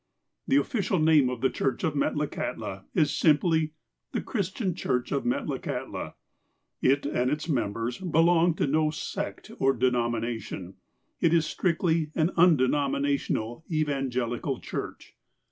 The official name of the church of Metlakahtla is simply " The Christian Church of Metlakahtla." It and its members belong to no sect or denomination. It is strictly an undenominational, evangelical church.